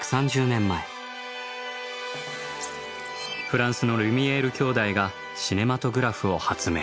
フランスのリュミエール兄弟がシネマトグラフを発明。